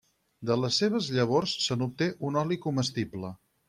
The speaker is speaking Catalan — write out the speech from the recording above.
De les seves llavors se n'obté un oli comestible.